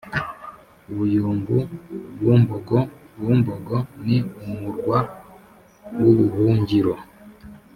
buyumbu: bumbogo bumbogo ni umurwa w’ubuhungiro